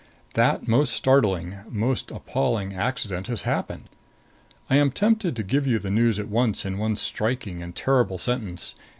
That most startling, most appalling accident has happened. I am tempted to give you the news at once in one striking and terrible sentence.